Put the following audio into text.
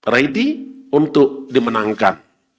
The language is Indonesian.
ready untuk dimenangkan